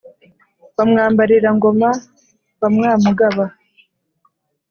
wa mwambarira ngoma wa mwamugaba